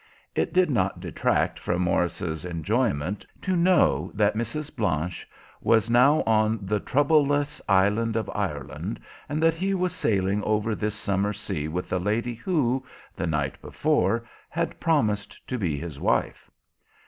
It did not detract from Morris's enjoyment to know that Mrs. Blanche was now on the troubleless island of Ireland, and that he was sailing over this summer sea with the lady who, the night before, had promised to be his wife.